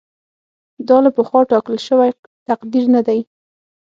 دا له پخوا ټاکل شوی تقدیر نه دی.